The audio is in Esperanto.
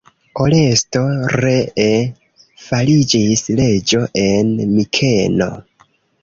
Oresto ree fariĝis reĝo en Mikeno.